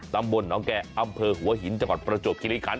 ตำบลหนองแก่อำเภอหัวหินจังหวัดประจวบคิริคัน